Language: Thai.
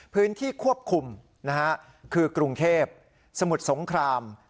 พื้นที่ควบคุมนะฮะคือกรุงเทพสมุทรสงคราม